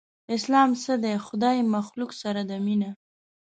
اسلام څه دی؟ خدای مخلوق سره ده مينه